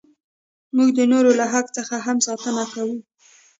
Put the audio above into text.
موږ د نورو له حق څخه هم ساتنه کوو.